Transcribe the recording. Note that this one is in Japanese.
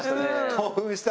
興奮した。